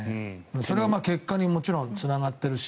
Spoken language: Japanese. それは結果にももちろんつながってるし。